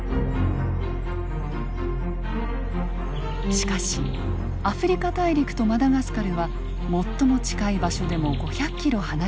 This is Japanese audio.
しかしアフリカ大陸とマダガスカルは最も近い場所でも５００キロ離れています。